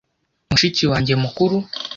mushiki wanjye mukuru